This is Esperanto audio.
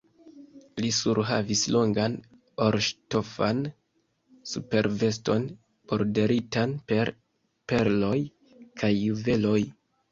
Li surhavis longan orŝtofan superveston, borderitan per perloj kaj juveloj.